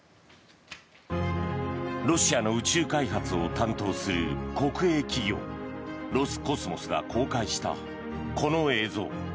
ロシアの宇宙開発を担当する国営企業ロスコスモスが公開したこの映像。